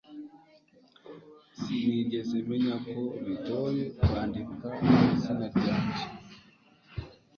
sinigeze menya ko bigoye kwandika izina ryanjye